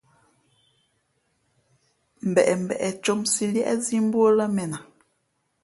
Mbeʼmbeʼ ncǒmsī līēʼzī mbú ó lά mēn a.